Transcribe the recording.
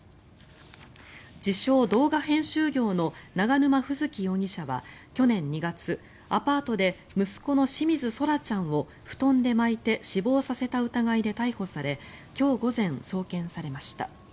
自称・動画編集業の永沼楓月容疑者は去年２月アパートで息子の清水奏良ちゃんを布団で巻いて死亡させた疑いで逮捕され今日午前、送検されました。